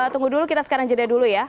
tunggu dulu kita sekarang jeda dulu ya